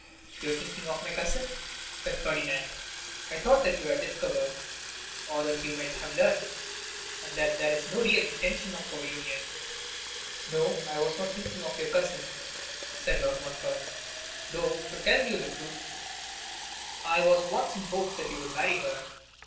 'You are thinking of my cousin,' said Ferdinand. 'I thought that you had discovered, or that you might have learnt, that there was no real intention of our union.' 'No, I was not thinking of your cousin,' said Lord Montfort; 'though, to tell you the truth, I was once in hopes that you would marry her.